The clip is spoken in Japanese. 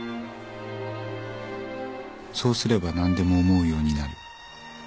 「そうすれば何でも思うようになる。